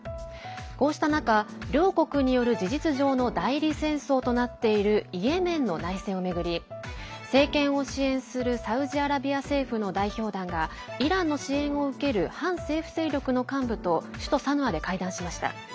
こうした中、両国による事実上の代理戦争となっているイエメンの内戦を巡り政権を支援するサウジアラビア政府の代表団がイランの支援を受ける反政府勢力の幹部と首都サヌアで会談しました。